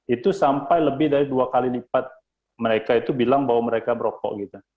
itu sampai lebih dari dua kali lipat mereka itu bilang bahwa mereka berokok gitu